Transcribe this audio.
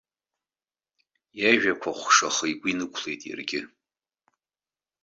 Иажәақәа хәшаха игәы инықәлеит иаргьы.